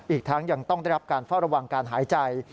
อีกทั้งยังต้องได้รับการเฝ้าระวังการหายใจ